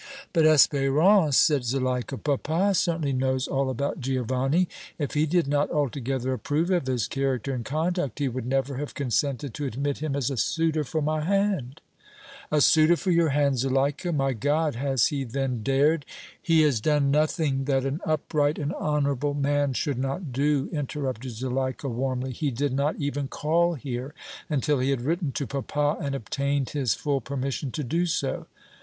"But, Espérance," said Zuleika, "papa certainly knows all about Giovanni; if he did not altogether approve of his character and conduct, he would never have consented to admit him as a suitor for my hand!" "A suitor for your hand, Zuleika! My God! has he then dared " "He has done nothing that an upright and honorable man should not do!" interrupted Zuleika, warmly. "He did not even call here until he had written to papa and obtained his full permission to do so."